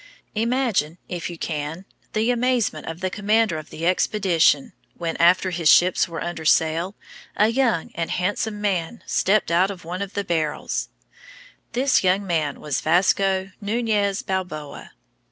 Imagine, if you can, the amazement of the commander of the expedition when, after his ships were under sail, a young and handsome man stepped out of one of the barrels. The young man was Vasco Nunez Balboa.